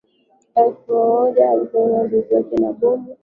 Elfu moja mia arobaini na sita Wazazi wake Bomi na Jer Bulasara wana mizizi